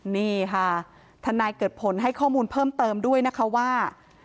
นี่ค่ะทนายเกิดผลให้ข้อมูลเพิ่มเติมด้วยนะคะว่า